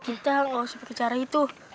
kita gak usah pakai cara itu